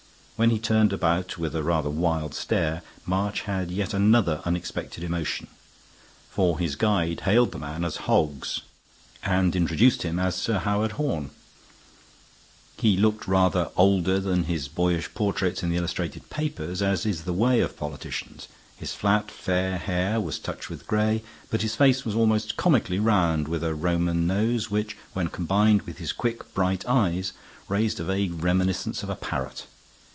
When he turned about with a rather wild stare, March had yet another unexpected emotion, for his guide hailed the man as Hoggs and introduced him as Sir Howard Horne. He looked rather older than his boyish portraits in the illustrated papers, as is the way of politicians; his flat, fair hair was touched with gray, but his face was almost comically round, with a Roman nose which, when combined with his quick, bright eyes, raised a vague reminiscence of a parrot.